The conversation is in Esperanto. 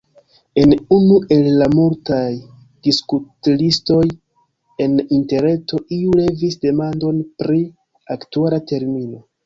En unu el la multaj diskutlistoj en interreto iu levis demandon pri aktuala termino.